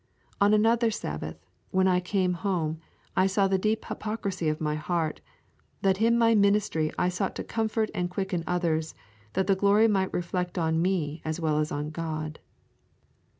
On another Sabbath, when I came home, I saw the deep hypocrisy of my heart, that in my ministry I sought to comfort and quicken others, that the glory might reflect on me as well as on God.